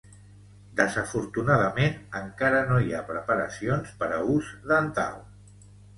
Desafortunadament, encara no hi ha preparacions per a ús dental.